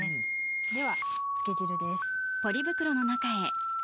では漬け汁です。